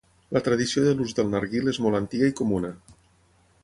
La tradició de l'ús del narguil és molt antiga i comuna.